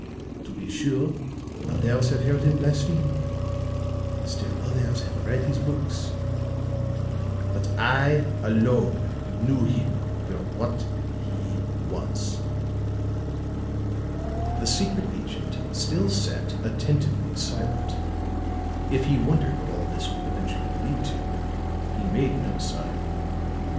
To be sure, others have heard him blaspheme, and still others have read his books. But I alone knew him for what he was." The secret agent still sat attentively silent; if he wondered what all this would eventually lead to, he made no sign.